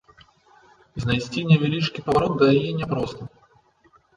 Знайсці невялічкі паварот да яе няпроста.